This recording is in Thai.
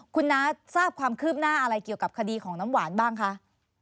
คุณน้าทราบความคืบหน้าอะไรเกี่ยวกับคดีของน้ำหวานบ้างคะ